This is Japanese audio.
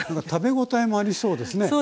食べ応えもありそうですね